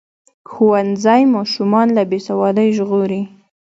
ښوونځی ماشومان له بې سوادۍ ژغوري.